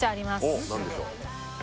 おう何でしょう？